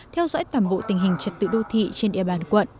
theo dõi tầm bộ tiền